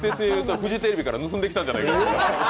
フジテレビから盗んできたんじゃないか。